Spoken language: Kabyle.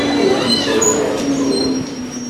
Ur kent-ttruẓuɣ deg wawal.